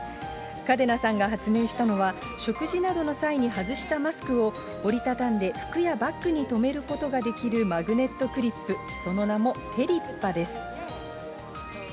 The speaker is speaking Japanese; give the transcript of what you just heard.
嘉手納さんが発明したのは、食事などの際に外したマスクを折り畳んで、服やバッグに留めることができるマグネットクリップ、その名もテリッパです。